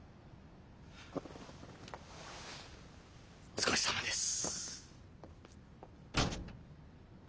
お疲れさまです。